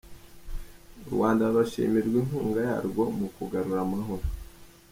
U Rwanda rurashimirwa inkunga yarwo mu kugarura amahoro